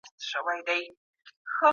ذمي ته حق ورکول واجب دي.